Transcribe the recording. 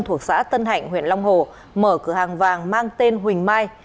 thuộc xã tân hạnh huyện long hồ mở cửa hàng vàng mang tên huỳnh mai